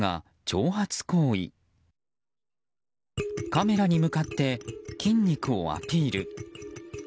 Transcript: カメラに向かって筋肉をアピール。